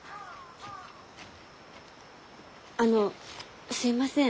あのすみません。